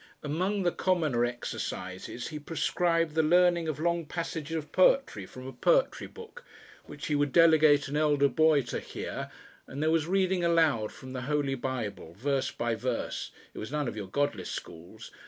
Among the commoner exercises he prescribed the learning of long passages of poetry from a "Poetry Book," which he would delegate an elder boy to "hear," and there was reading aloud from the Holy Bible, verse by verse it was none of your "godless" schools!